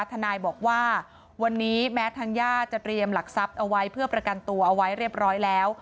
ทนายบอกว่าวันนี้แม้ทางญาติจะเตรียมหลักทรัพย์เอาไว้เพื่อประกันตัวเอาไว้เรียบร้อยแล้ว